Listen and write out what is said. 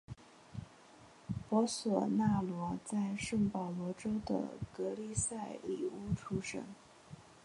博索纳罗在圣保罗州的格利塞里乌出生。